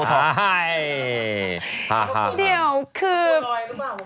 ต้องหมายเพียงหนึ่ง